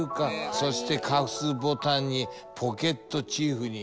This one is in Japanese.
そしてカフスボタンにポケットチーフに。